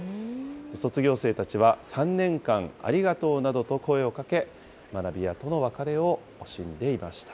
卒業生たちは、３年間ありがとうなどと声をかけ、学びやとの別れを惜しんでいました。